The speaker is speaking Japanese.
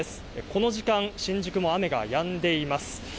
この時間、新宿も雨がやんでいます。